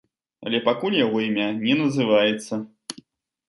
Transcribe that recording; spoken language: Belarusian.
Але пакуль яго імя не называецца.